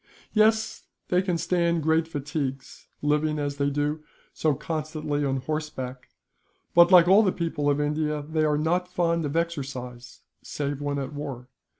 "Yes, they can stand great fatigues; living, as they do, so constantly on horseback but, like all the people of India, they are not fond of exercise, save when at war.